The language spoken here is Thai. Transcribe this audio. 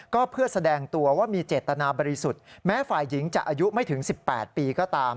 ก็เพื่อแสดงตัวว่ามีเจตนาบริสุทธิ์แม้ฝ่ายหญิงจะอายุไม่ถึง๑๘ปีก็ตาม